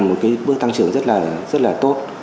một bước tăng trưởng rất là tốt